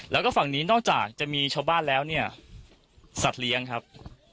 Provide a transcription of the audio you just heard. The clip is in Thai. แล้วก็ฝั่งนี้นอกจากจะมีชาวบ้านแล้วเนี่ยสัตว์เลี้ยงครับ